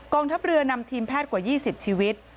ทัพเรือนำทีมแพทย์กว่า๒๐ชีวิต